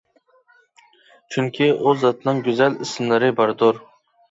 چۈنكى، ئۇ زاتنىڭ گۈزەل ئىسىملىرى باردۇر.